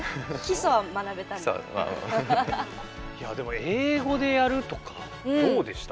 いやでも英語でやるとかどうでした？